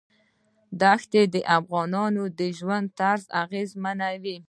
دښتې د افغانانو د ژوند طرز اغېزمنوي.